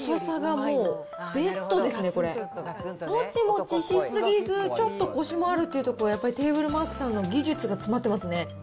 もちもちしすぎず、ちょっとこしもあると、やっぱりテーブルマークさんの技術が詰まってますね。